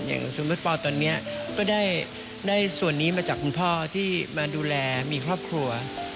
อย่างสมมุติปอตอนนี้ก็ได้ส่วนนี้มาจากคุณพ่อที่มาดูแลมีครอบครัว